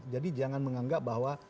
jadi jangan menganggap bahwa